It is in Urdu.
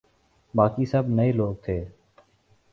باقی سب نئے لوگ تھے۔